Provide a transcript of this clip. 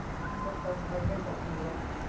ส้มตำไทย ไม่ใส่ชูรส